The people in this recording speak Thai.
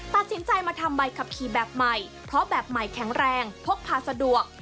ตัดสินใจมาทำใบขับขี่แบบใหม่เพราะแบบใหม่แข็งแรงพกพาสะดวก